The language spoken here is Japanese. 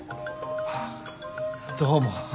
あどうも。